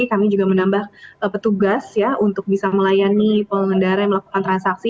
kami juga menambah petugas ya untuk bisa melayani pengendara yang melakukan transaksi